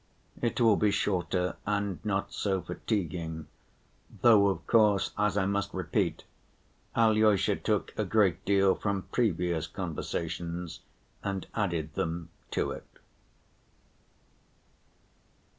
It will be shorter and not so fatiguing, though of course, as I must repeat, Alyosha took a great deal from previous conversations and added them to it.